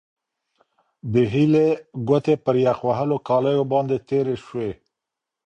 د هیلې ګوتې پر یخ وهلو کالیو باندې تېرې شوې.